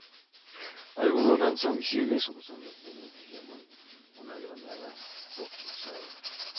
Algunos lanzamisiles usan lo que muchos llaman una granada propulsada.